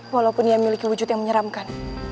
walaupun ia miliki wujud yang menyeramkan